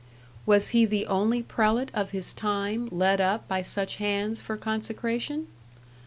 Was he the only prelate of his time led up by such hands for consecration?